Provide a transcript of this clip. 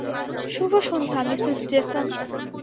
শুভসন্ধ্যা Mrs Jason.